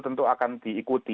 tentu akan diikuti